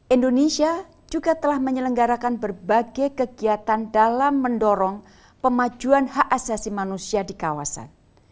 indonesia juga telah menyelenggarakan berbagai kegiatan dalam mendorong pemajuan hak asasi manusia di kawasan